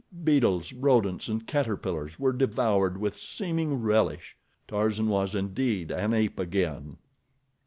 Beetles, rodents and caterpillars were devoured with seeming relish. Tarzan was indeed an ape again.